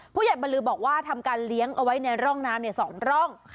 บรรลือบอกว่าทำการเลี้ยงเอาไว้ในร่องน้ำ๒ร่อง